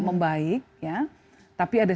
membaik tapi ada